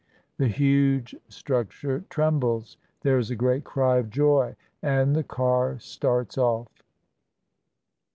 "The huge structure trembles. There is a great cry of joy, and the car starts off.